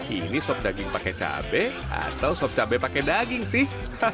ini sop daging pakai cabai atau sop cabai pakai daging sih